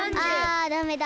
あダメだ。